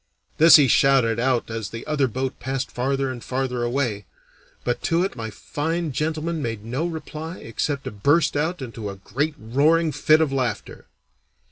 This he shouted out as the other boat passed farther and farther away, but to it my fine gentleman made no reply except to burst out into a great roaring fit of laughter.